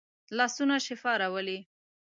لاسونه شفا راولي